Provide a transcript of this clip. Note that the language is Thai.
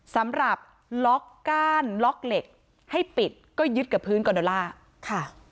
สำหรับล็อกก้านล็อกเหล็กให้ปิดก็ยึดกับพื้นกอโดล่าค่ะ